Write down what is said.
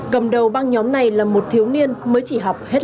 cầm đầu băng nhóm này là một thiếu niên mới chỉ học tài sản